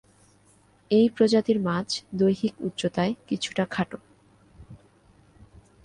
এই প্রজাতির মাছ দৈহিক উচ্চতায় কিছুটা খাটো।